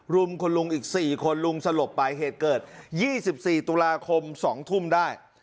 รุมคุณลุงอีก๔คนลุงสลบไปเหตุเกิด๒๔ตุลาคม๒ทุ่มได้